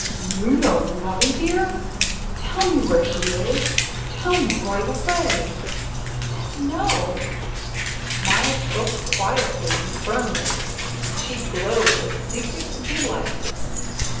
You know Loveydear? Tell me where she is. Tell me, right away." "No." Maya spoke quietly and firmly; she glowed with secret delight.